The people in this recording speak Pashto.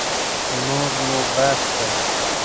نور نو بس دی.